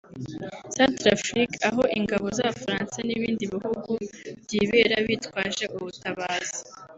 Centrafrique aho ingabo z’Abafaransa n’ibindi bihugu byibera bitwaje ubutabazi